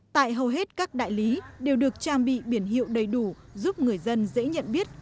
tại hầu hết các đại lý đều được trang bị biển hiệu đầy đủ giúp người dân dễ nhận biết